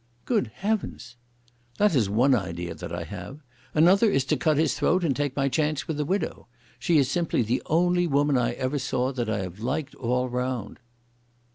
"Good heavens!" "That is one idea that I have. Another is to cut his throat, and take my chance with the widow. She is simply the only woman I ever saw that I have liked all round."